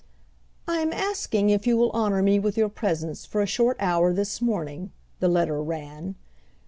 "I am asking if you will honor me with your presence for a short hour this morning," the letter ran.